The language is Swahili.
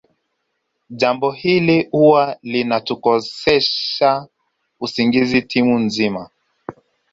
Jambo hili huwa linatukosesha usingizi timu nzima